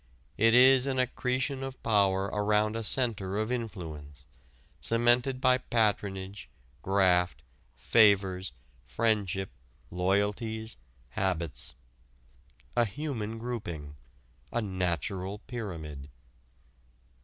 It is an accretion of power around a center of influence, cemented by patronage, graft, favors, friendship, loyalties, habits, a human grouping, a natural pyramid.